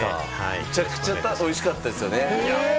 めちゃくちゃおいしかったですよね。